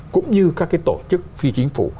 cũng như các cái tổ chức phi chính phủ